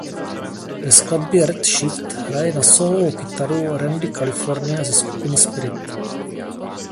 Ve skladbě „Red Shift“ hraje na sólovou kytaru Randy California ze skupiny Spirit.